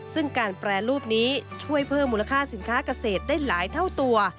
ซึ่งการแปรรูปนี้ช่วยเพิ่มมูลค่าสินค้าเกษตรได้หลายเท่าตัว